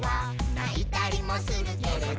「ないたりもするけれど」